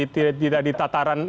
tidak di tataran ibadah